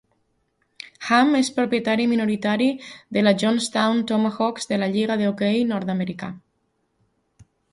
Ham és propietari minoritari de la Johnstown Tomahawks de la Lliga de hoquei nord-americana.